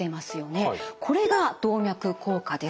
これが動脈硬化です。